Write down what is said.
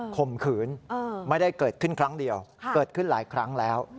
ข่มขืนไม่ได้เกิดขึ้นครั้งเดียวเกิดขึ้นหลายครั้งแล้ว